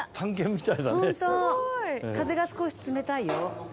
風が少し冷たいよ。